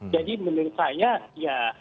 jadi menurut saya ya